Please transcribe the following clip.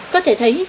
có thể thấy